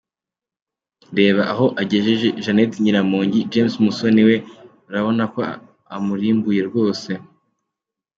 Reba aho agejeje Janet Nyiramongi, James Musoni we urabona ko amurimbuye rwose.